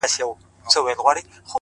تا چي پر لمانځه له ياده وباسم _